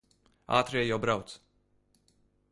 Ātrie jau brauc.